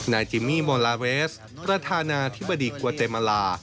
นายจิมมี่โมลาเวสประธานาธิบดีกวาเจมาลา